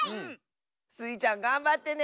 スイちゃんがんばってね！